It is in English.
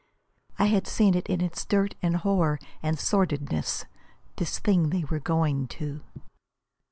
I had seen it in its dirt and horror and sordidness, this thing they were going to.